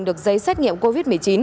được giấy xét nghiệm covid một mươi chín